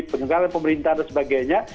peningkatan pemerintahan dan sebagainya